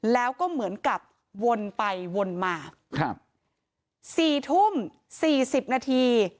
สี่ทุ่มสี่สิบนาที